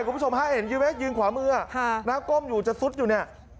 คุณผู้ชมฮาเอิญยูเวสยืนขวามือน้าก้มอยู่จะสุดอยู่เนี่ย